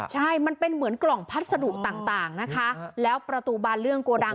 ใช่มันเป็นเหมือนกล่องพัสดุต่างนะคะแล้วประตูบานเรื่องโกดัง